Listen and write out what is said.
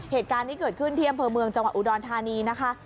เหตุการณ์นี้เกิดขึ้นที่อำเภอเมืองจังหวัดอุดรธานีนะคะ